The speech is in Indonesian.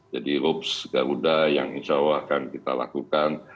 jadi rups garuda yang insya allah akan kita lakukan